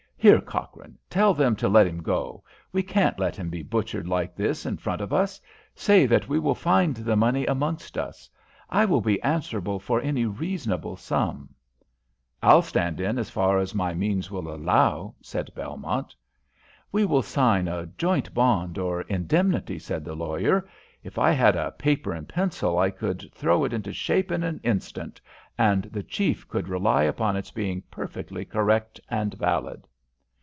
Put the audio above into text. "Here, Cochrane, tell them to let him go. We can't let him be butchered like this in front of us. Say that we will find the money amongst us. I will be answerable for any reasonable sum." "I'll stand in as far as my means will allow," cried Belmont. "We will sign a joint bond or indemnity," said, the lawyer. "If I had a paper and pencil I could throw it into shape in an instant, and the chief could rely upon its being perfectly correct and valid."